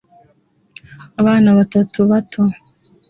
Abana batatu bato